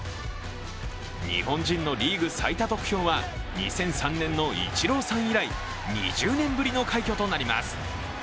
日本人のリーグ最多得票は２００３年のイチローさん以来、２０年ぶりの快挙となります。